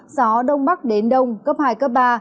gió đông bắc đến đông cấp hai cấp ba